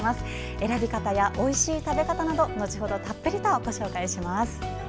選び方や、おいしい食べ方など後ほど、たっぷりとご紹介します。